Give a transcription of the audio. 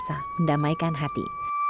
menyedihkan rasa mendamaikan hati